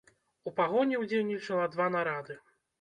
У пагоні ўдзельнічала два нарады.